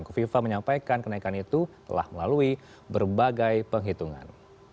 kofifa menyampaikan kenaikan itu telah melalui berbagai penghitungan